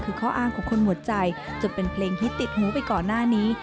คือข้ออ้างของคนหมดใจจนเป็นเพลงฮิตติดหูไปก่อนหน้านี้